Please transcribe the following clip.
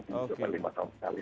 mungkin cuma lima tahun sekali